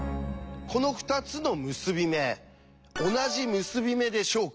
この２つの結び目同じ結び目でしょうか？